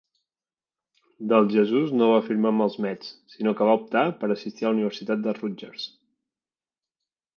DeJesus no va firmar amb els Mets, sinó que va optar per assistir a la Universitat de Rutgers.